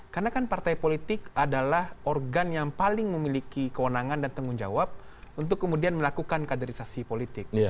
karena kan partai politik adalah organ yang paling memiliki kewenangan dan tanggung jawab untuk kemudian melakukan kaderisasi politik